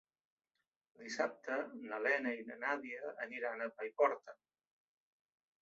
Dissabte na Lena i na Nàdia aniran a Paiporta.